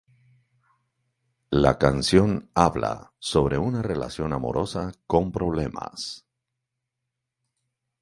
La canción habla sobre una relación amorosa con problemas.